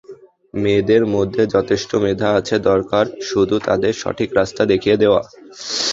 মেয়েদের মধ্যে যথেষ্ট মেধা আছে, দরকার শুধু তাঁদের সঠিক রাস্তা দেখিয়ে দেওয়া।